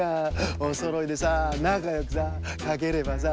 おそろいでさなかよくさかければさ。